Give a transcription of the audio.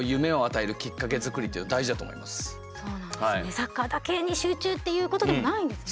サッカーだけに集中っていうことでもないんですね。